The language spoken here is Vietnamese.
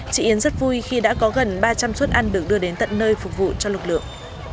chị yến rất vui khi đã có gần ba trăm linh suất ăn được đưa đến tận nơi phục vụ cho lực lượng